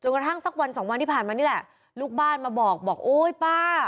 กระทั่งสักวันสองวันที่ผ่านมานี่แหละลูกบ้านมาบอกบอกโอ๊ยป้า